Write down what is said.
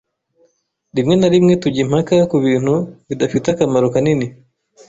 Rimwe na rimwe tujya impaka kubintu bidafite akamaro kanini.